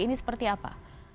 ini seperti apa